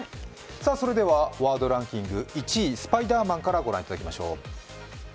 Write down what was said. それではワードランキング、１位、スパイダーマンからご覧いただきましょう。